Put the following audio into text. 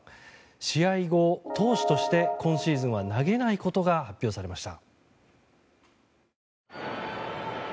試合後、投手として今シーズンは投げないことが発表されました。